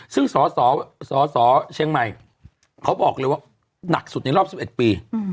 ซึ่งสสเชียงใหม่เขาบอกเลยว่าหนักสุดในรอบ๑๑ปี